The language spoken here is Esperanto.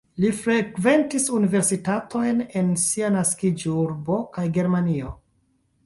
Li frekventis universitatojn en sia naskiĝurbo kaj Germanio.